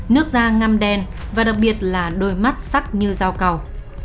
nước da ngâm đen và đặc biệt là đôi mắt sắc như dao cầu